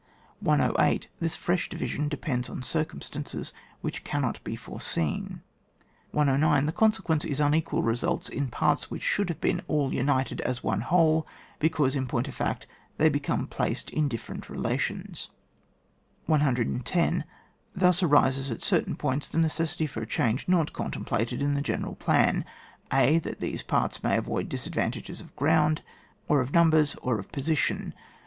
108. This fresh division depends on circumstances which cannot be fore seen. 109. The consequence is unequal re sult in parts which shoiJd have all been united as one whole (because, in point of fact, they become placed in dUlfferent relations). 110. Thus arises, at certain parts, the necessity for a change not contemplated in the general plan, (a) That these parts may avoid disad vantages of ground, or of numbers, or of position.